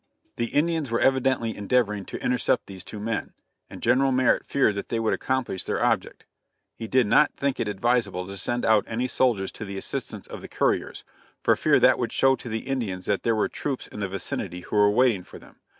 The Indians were evidently endeavoring to intercept these two men, and General Merritt feared that they would accomplish their object. He did not think it advisable to send out any soldiers to the assistance of the couriers, for fear that would show to the Indians that there were troops in the vicinity who were waiting for them.